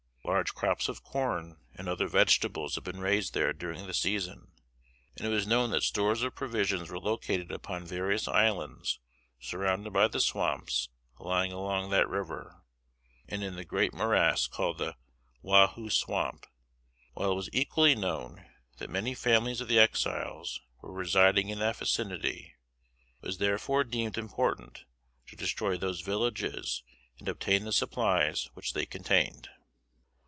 Large crops of corn and other vegetables had been raised there during the season, and it was known that stores of provisions were located upon various islands surrounded by the swamps lying along that river, and in the great morass called the "Wahoo Swamp;" while it was equally known that many families of the Exiles were residing in that vicinity. It was therefore deemed important to destroy those villages and obtain the supplies which they contained.